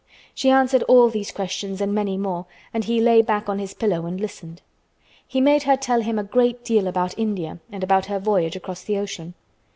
She answered all these questions and many more and he lay back on his pillow and listened. He made her tell him a great deal about India and about her voyage across the ocean.